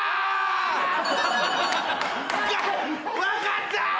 分かったー！